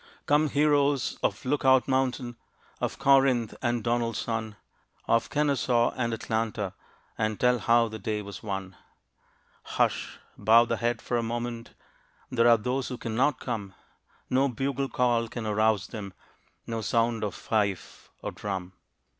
Come, heroes of Look Out Mountain, Of Corinth and Donelson, Of Kenesaw and Atlanta, And tell how the day was won! Hush! bow the head for a moment There are those who cannot come. No bugle call can arouse them No sound of fife or drum.